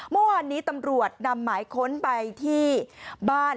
เมื่อวานนี้ตำรวจนำหมายค้นไปที่บ้าน